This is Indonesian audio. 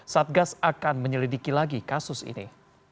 satgas akan menyelidiki lagi kasus ini